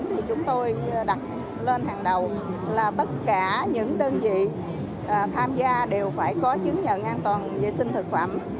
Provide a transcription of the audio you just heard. thì chúng tôi đặt lên hàng đầu là tất cả những đơn vị tham gia đều phải có chứng nhận an toàn vệ sinh thực phẩm